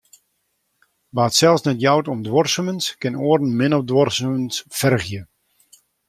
Wa't sels net jout om duorsumens, kin oaren min op duorsumens fergje.